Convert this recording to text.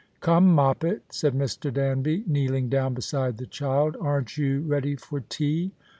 " Come, Moppet," said ]\Ir. Danby, kneeling down beside the child. " Aren't you ready for tea